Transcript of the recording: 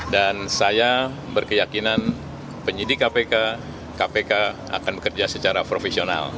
dan saya berkeyakinan penyidik kpk kpk akan bekerja secara profesional